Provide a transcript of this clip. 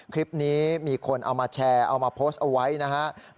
คลิปนี้มีคนเอามาแชร์เอามาโพสต์เอาไว้นะครับ